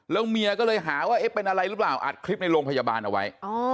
แล้วเมียก็เลยหาว่าเอ๊ะเป็นอะไรหรือเปล่าอัดคลิปในโรงพยาบาลเอาไว้